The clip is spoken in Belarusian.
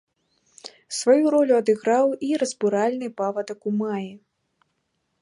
Сваю ролю адыграў і разбуральны павадак у маі.